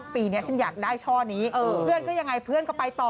ปีนี้ฉันอยากได้ช่อนี้เพื่อนก็ยังไงเพื่อนก็ไปต่อ